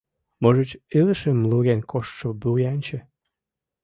Можыч, илышым луген коштшо вуянче?